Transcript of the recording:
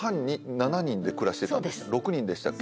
６人でしたっけ？